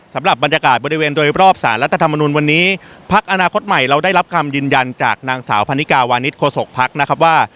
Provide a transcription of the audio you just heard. สำหรับบรรยากาศบริเวณโดยรอบสารรัฐธรรมนุนวันนี้พักอนาคตใหม่เราได้รับคำยืนยันจากนางสาวพันนิกาวานิสโคศกภักดิ์นะครับว่า